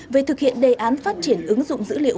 về thực hiện đề án phát triển ứng dụng dữ liệu